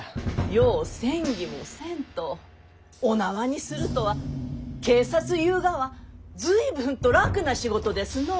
よう詮議もせんとお縄にするとは警察ゆうがは随分と楽な仕事ですのう！